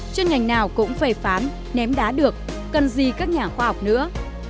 chuyên ngành nào cũng phê phán ném đá được cần gì các nhà khoa học nữa